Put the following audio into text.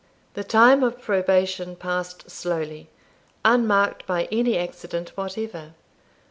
The time of probation passed slowly, unmarked by any accident whatever.